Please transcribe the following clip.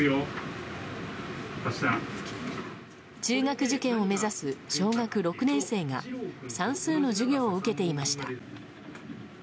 中学受験を目指す小学６年生が算数の授業を受けていました。